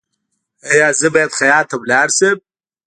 ایا زه باید خیاط ته لاړ شم؟